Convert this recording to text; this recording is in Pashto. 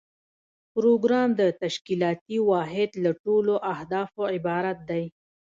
پروګرام د تشکیلاتي واحد له ټولو اهدافو عبارت دی.